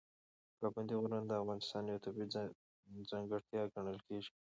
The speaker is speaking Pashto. پابندي غرونه د افغانستان یوه ځانګړې طبیعي ځانګړتیا ګڼل کېږي.